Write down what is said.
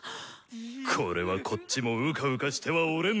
これはこっちもうかうかしてはおれんな！